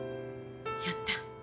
やった。